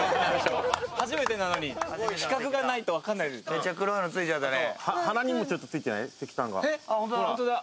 めっちゃ黒いのついちゃったね。